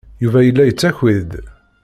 Yuba yella yettaki-d.